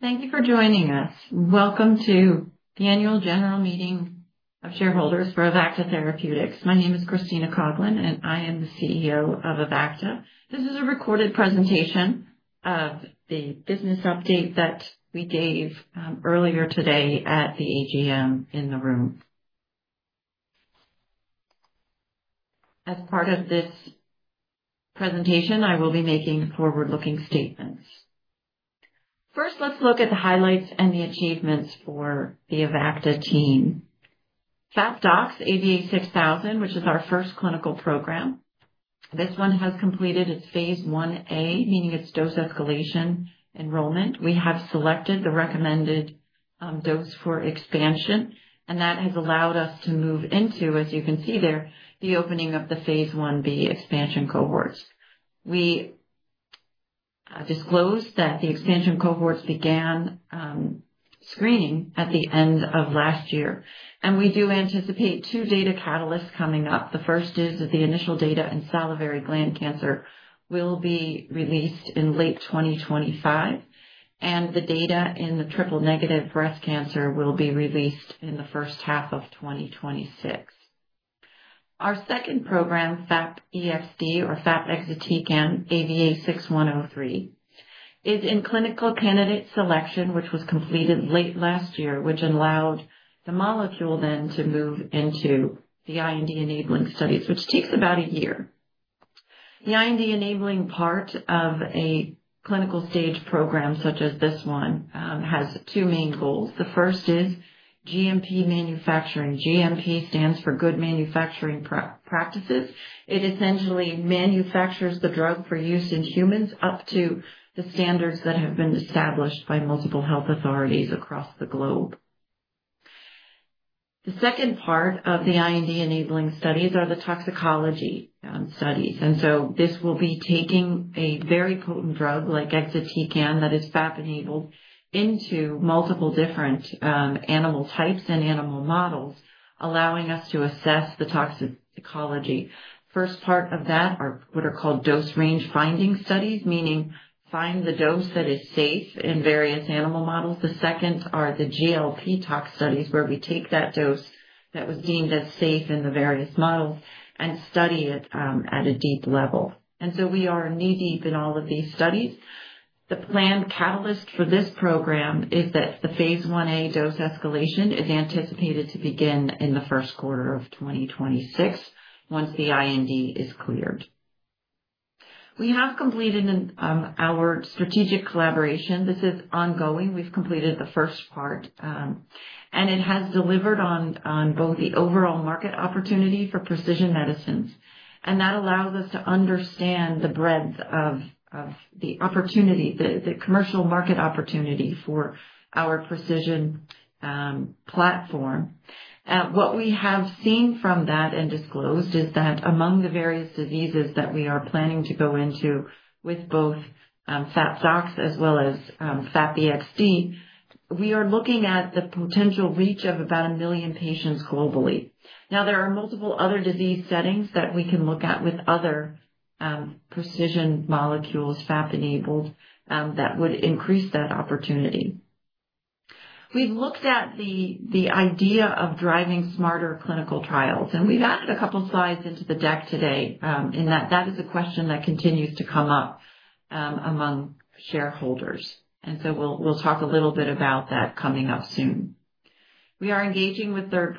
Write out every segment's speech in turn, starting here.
Thank you for joining us. Welcome to the annual general meeting of shareholders for Avacta Therapeutics. My name is Christina Coughlin, and I am the CEO of Avacta. This is a recorded presentation of the business update that we gave earlier today at the AGM in the room. As part of this presentation, I will be making forward-looking statements. First, let's look at the highlights and the achievements for the Avacta team. FAP-Dox (AVA6000), which is our first clinical program, this one has completed its phase 1-A, meaning its dose escalation enrollment. We have selected the recommended dose for expansion, and that has allowed us to move into, as you can see there, the opening of the phase 1-B expansion cohorts. We disclosed that the expansion cohorts began screening at the end of last year, and we do anticipate two data catalysts coming up. The first is that the initial data in salivary gland cancer will be released in late 2025, and the data in the triple-negative breast cancer will be released in the first half of 2026. Our second program, FAP-EXd or FAP-Exatecan, (AVA6103), is in clinical candidate selection, which was completed late last year, which allowed the molecule then to move into the IND enabling studies, which takes about a year. The IND enabling part of a clinical stage program such as this one has two main goals. The first is GMP manufacturing. GMP stands for Good Manufacturing Practice. It essentially manufactures the drug for use in humans up to the standards that have been established by multiple health authorities across the globe. The second part of the IND enabling studies are the toxicology studies, and so this will be taking a very potent drug like Exatecan that is FAP-enabled into multiple different animal types and animal models, allowing us to assess the toxicology. First part of that are what are called dose range finding studies, meaning find the dose that is safe in various animal models. The second are the GLP tox studies, where we take that dose that was deemed as safe in the various models and study it at a deep level. We are knee-deep in all of these studies. The planned catalyst for this program is that the phase 1-A dose escalation is anticipated to begin in the first quarter of 2026 once the IND is cleared. We have completed our strategic collaboration. This is ongoing. We've completed the first part, and it has delivered on both the overall market opportunity for precision medicines, and that allows us to understand the breadth of the opportunity, the commercial market opportunity for our precision platform. What we have seen from that and disclosed is that among the various diseases that we are planning to go into with both FAP-Dox as well as FAP-EXd, we are looking at the potential reach of about 1 million patients globally. Now, there are multiple other disease settings that we can look at with other precision molecules FAP-enabled that would increase that opportunity. We've looked at the idea of driving smarter clinical trials, and we've added a couple of slides into the deck today in that that is a question that continues to come up among shareholders. We will talk a little bit about that coming up soon. We are engaging with third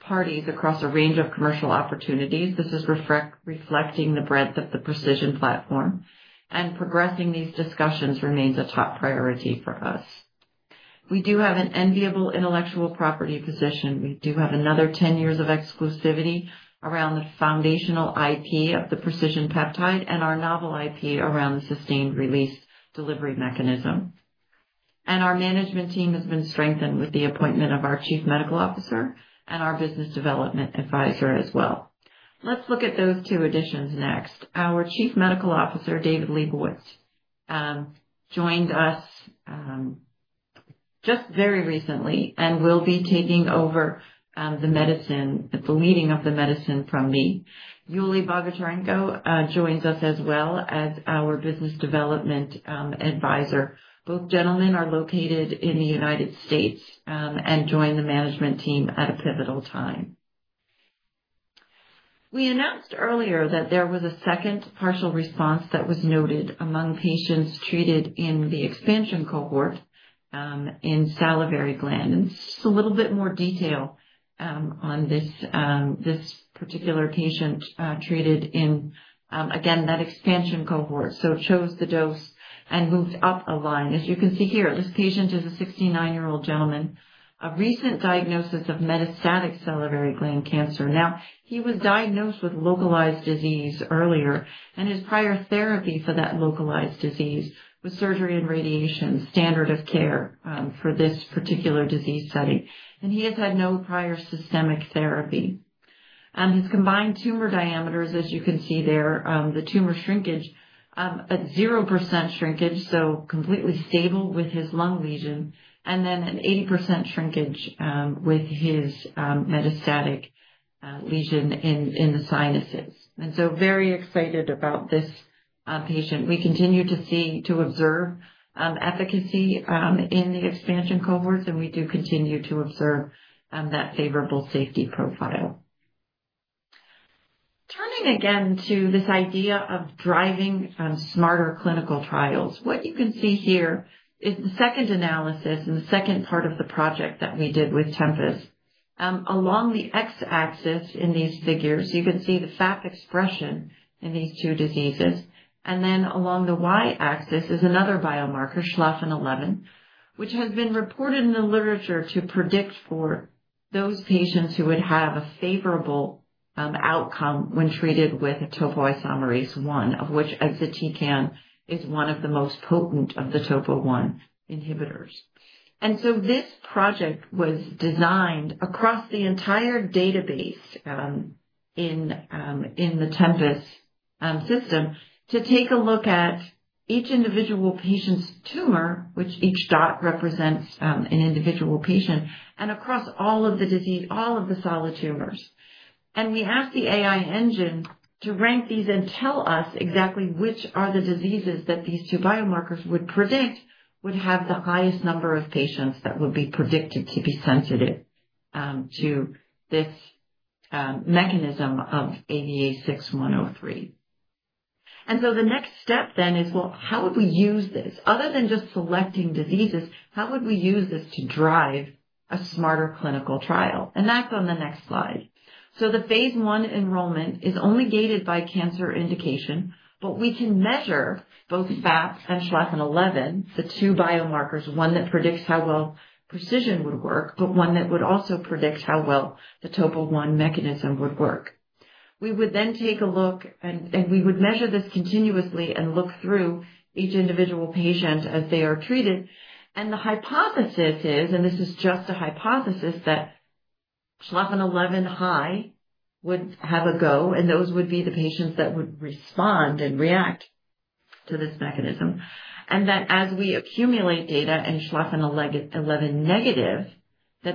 parties across a range of commercial opportunities. This is reflecting the breadth of the precision platform, and progressing these discussions remains a top priority for us. We do have an enviable intellectual property position. We do have another 10 years of exclusivity around the foundational IP of the precision peptide and our novel IP around the sustained release delivery mechanism. Our management team has been strengthened with the appointment of our Chief Medical Officer and our Business Development Advisor as well. Let's look at those two additions next. Our Chief Medical Officer, David Liebowitz, joined us just very recently and will be taking over the medicine, the leading of the medicine from me. Yulii Bogatyrenko joins us as well as our Business Development Advisor. Both gentlemen are located in the United States and joined the management team at a pivotal time. We announced earlier that there was a second partial response that was noted among patients treated in the expansion cohort in salivary gland. Just a little bit more detail on this particular patient treated in, again, that expansion cohort. It chose the dose and moved up a line. As you can see here, this patient is a 69-year-old gentleman, a recent diagnosis of metastatic salivary gland cancer. He was diagnosed with localized disease earlier, and his prior therapy for that localized disease was surgery and radiation, standard of care for this particular disease setting. He has had no prior systemic therapy. His combined tumor diameters, as you can see there, the tumor shrinkage, at 0% shrinkage, so completely stable with his lung lesion, and then an 80% shrinkage with his metastatic lesion in the sinuses. Very excited about this patient. We continue to see, to observe efficacy in the expansion cohorts, and we do continue to observe that favorable safety profile. Turning again to this idea of driving smarter clinical trials, what you can see here is the second analysis and the second part of the project that we did with Tempus. Along the X-axis in these figures, you can see the FAP expression in these two diseases. Along the Y-axis is another biomarker, SLFN11, which has been reported in the literature to predict for those patients who would have a favorable outcome when treated with topoisomerase I, of which exatecan is one of the most potent of the topo I inhibitors. This project was designed across the entire database in the Tempus system to take a look at each individual patient's tumor, which each dot represents an individual patient, and across all of the disease, all of the solid tumors. We asked the AI engine to rank these and tell us exactly which are the diseases that these two biomarkers would predict would have the highest number of patients that would be predicted to be sensitive to this mechanism of AVA6103. The next step then is, how would we use this? Other than just selecting diseases, how would we use this to drive a smarter clinical trial? That is on the next slide. The phase I enrollment is only gated by cancer indication, but we can measure both FAP and SLFN11, the two biomarkers, one that predicts how well preCISION would work, but one that would also predict how well the Topo I mechanism would work. We would then take a look, and we would measure this continuously and look through each individual patient as they are treated. The hypothesis is, and this is just a hypothesis, that SLFN11 high would have a go, and those would be the patients that would respond and react to this mechanism. As we accumulate data in SLFN11 negative,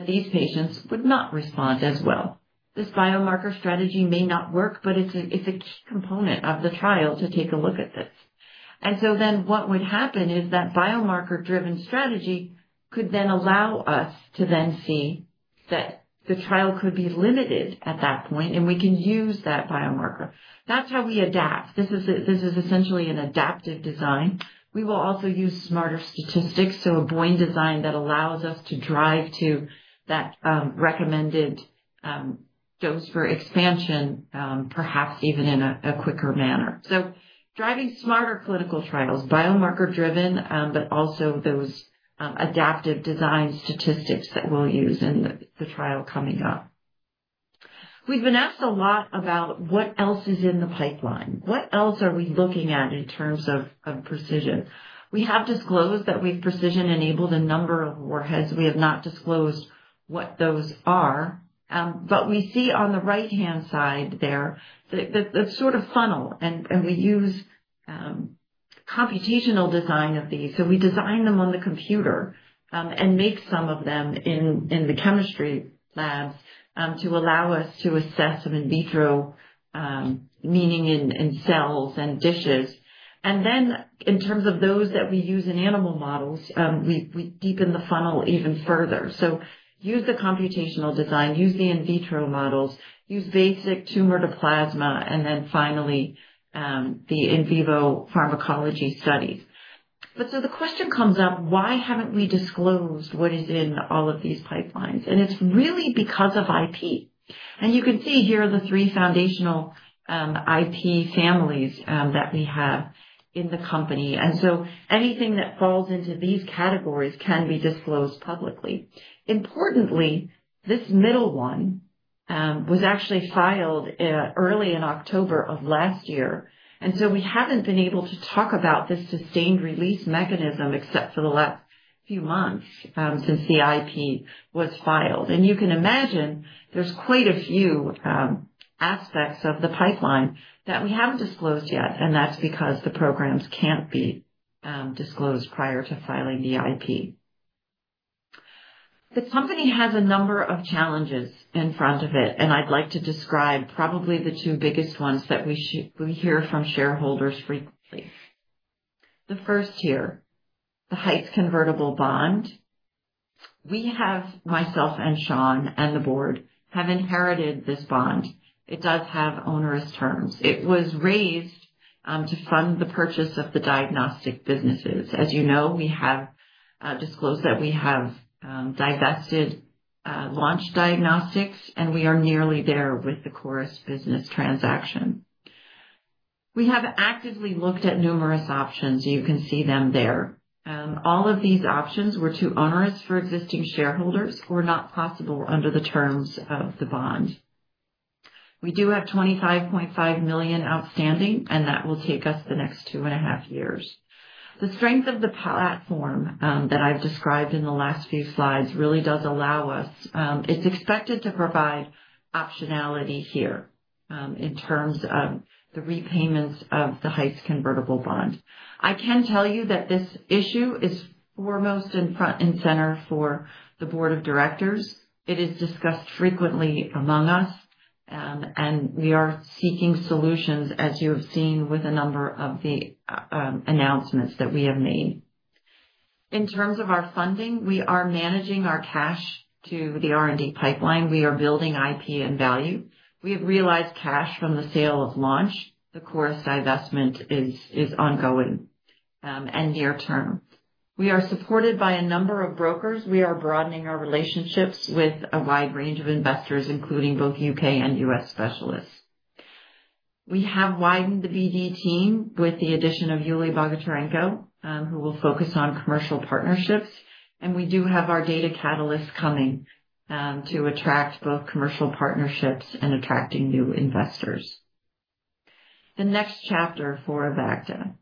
these patients would not respond as well. This biomarker strategy may not work, but it is a key component of the trial to take a look at this. What would happen is that biomarker-driven strategy could then allow us to then see that the trial could be limited at that point, and we can use that biomarker. That's how we adapt. This is essentially an adaptive design. We will also use smarter statistics, so a Bayesian design that allows us to drive to that recommended dose for expansion, perhaps even in a quicker manner. Driving smarter clinical trials, biomarker-driven, but also those adaptive design statistics that we'll use in the trial coming up. We've been asked a lot about what else is in the pipeline. What else are we looking at in terms of precision? We have disclosed that we've precision-enabled a number of warheads. We have not disclosed what those are, but we see on the right-hand side there that sort of funnel, and we use computational design of these. We design them on the computer and make some of them in the chemistry labs to allow us to assess them in vitro, meaning in cells and dishes. Then in terms of those that we use in animal models, we deepen the funnel even further. We use the computational design, use the in vitro models, use basic tumor to plasma, and then finally the in vivo pharmacology studies. The question comes up, why haven't we disclosed what is in all of these pipelines? It's really because of IP. You can see here are the three foundational IP families that we have in the company. Anything that falls into these categories can be disclosed publicly. Importantly, this middle one was actually filed early in October of last year. We have not been able to talk about this sustained release mechanism except for the last few months since the IP was filed. You can imagine there are quite a few aspects of the pipeline that we have not disclosed yet, and that is because the programs cannot be disclosed prior to filing the IP. The company has a number of challenges in front of it, and I would like to describe probably the two biggest ones that we hear from shareholders frequently. The first here, the Heights Convertible Bond. Myself and Sean and the board have inherited this bond. It does have onerous terms. It was raised to fund the purchase of the diagnostic businesses. As you know, we have disclosed that we have divested Launch Diagnostics, and we are nearly there with the Coris business transaction. We have actively looked at numerous options. You can see them there. All of these options were too onerous for existing shareholders or not possible under the terms of the bond. We do have $25.5 million outstanding, and that will take us the next two and a half years. The strength of the platform that I've described in the last few slides really does allow us. It's expected to provide optionality here in terms of the repayments of the Heights Convertible Bond. I can tell you that this issue is foremost and front and center for the board of directors. It is discussed frequently among us, and we are seeking solutions, as you have seen with a number of the announcements that we have made. In terms of our funding, we are managing our cash to the R&D pipeline. We are building IP and value. We have realized cash from the sale of Launch. The Coris divestment is ongoing and near term. We are supported by a number of brokers. We are broadening our relationships with a wide range of investors, including both U.K. and U.S. specialists. We have widened the BD team with the addition of Yulii Bogatyrenko, who will focus on commercial partnerships. We do have our data catalysts coming to attract both commercial partnerships and attracting new investors. The next chapter for Avacta.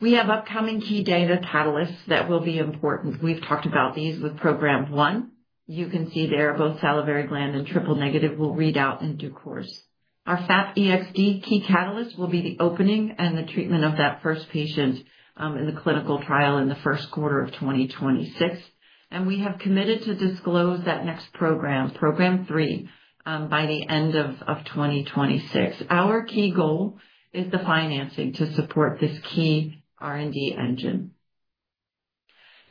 We have upcoming key data catalysts that will be important. We've talked about these with program one. You can see there are both salivary gland and triple negative will read out into Coris. Our FAP-EXd key catalyst will be the opening and the treatment of that first patient in the clinical trial in the first quarter of 2026. We have committed to disclose that next program, program three, by the end of 2026. Our key goal is the financing to support this key R&D engine.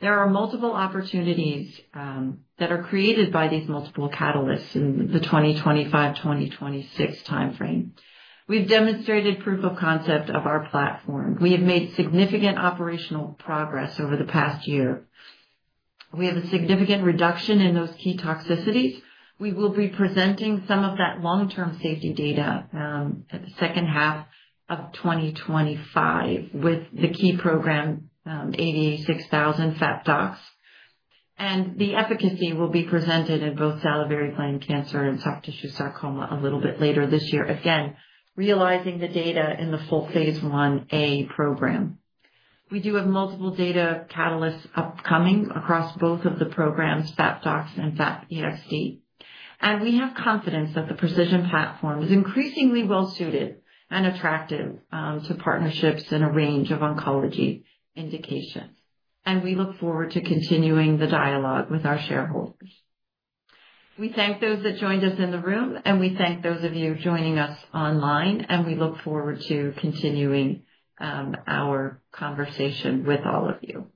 There are multiple opportunities that are created by these multiple catalysts in the 2025-2026 timeframe. We've demonstrated proof of concept of our platform. We have made significant operational progress over the past year. We have a significant reduction in those key toxicities. We will be presenting some of that long-term safety data at the second half of 2025 with the key program AVA6000 FAP-Dox. The efficacy will be presented in both salivary gland cancer and soft tissue sarcoma a little bit later this year. Again, realizing the data in the full phase 1-A program. We do have multiple data catalysts upcoming across both of the programs, FAP-Dox and FAP-EXd. We have confidence that the precision platform is increasingly well-suited and attractive to partnerships in a range of oncology indications. We look forward to continuing the dialogue with our shareholders. We thank those that joined us in the room, and we thank those of you joining us online, and we look forward to continuing our conversation with all of you.